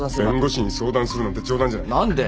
弁護士に相談するなんて冗談じゃない。